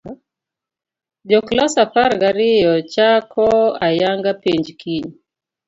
Jo class apar gi ariyo chako ayanga penj kiny